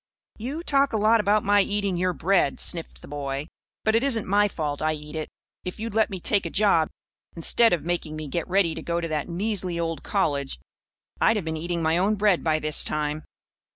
"You talk a lot about my eating your bread," sniffed the boy. "But it isn't my fault I eat it. If you'd let me take a job, instead of making me get ready to go to that measly old college, I'd have been eating my own bread by this time."